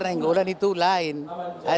bagaimana hubungan antara ibu ibu bapak